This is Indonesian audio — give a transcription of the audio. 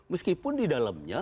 meskipun di dalamnya